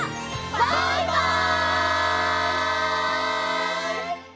バイバイ！